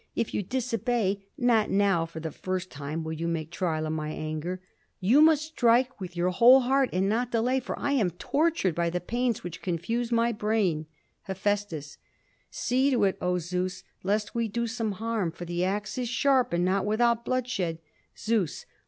If you disobey, not now for the first time will you make trial of my anger. You must strike with your whole heart and not delay for I am tortured by the pains which confuse my brain." Heph. "See to it, O Zeus, lest we do some harm, for the ax is sharp and not without bloodshed." _Zeus.